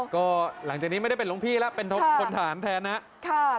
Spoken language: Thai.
ก็หลังจากนี้ไม่ได้เป็นหลวงพี่แล้วเป็นคนฐานแทนนะครับ